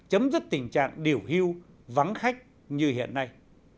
chấm dứt tình trạng điều hưu vắng khách như hiện nay